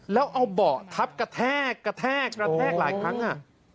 แล้วเอาเบาะทับกระแทกกระแทกกระแทกหลายครั้งอ่ะ